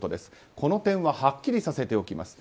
この点ははっきりさせておきます。